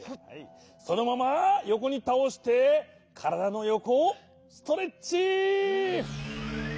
そのままよこにたおしてからだのよこをストレッチ。